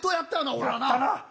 俺はな。